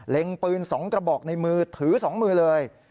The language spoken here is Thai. เล็งปืนสองกระบอกในมือถือสองมือเลย